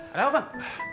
ada apa bang